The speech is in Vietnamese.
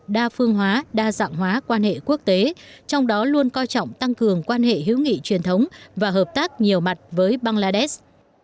đa phương hóa đa dạng hóa quan hệ quốc tế trong đó luôn coi trọng tăng cường quan hệ hữu nghị truyền thống và hợp tác nhiều mặt với bangladesh